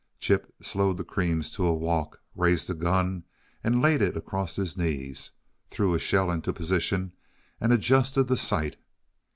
Chip slowed the creams to a walk, raised the gun and laid it across his knees, threw a shell into position and adjusted the sight.